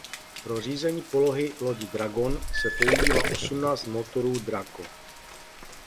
Pro řízení polohy lodi Dragon se používá osmnáct motorů Draco.